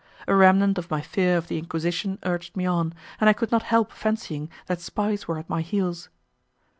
A remnant of my fear of the Inquisition urged me on, and I could not help fancying that spies were at my heels.